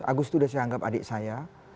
agus itu sudah saya anggap adik saya